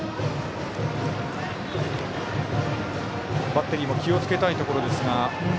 バッテリーも気をつけたいところですが。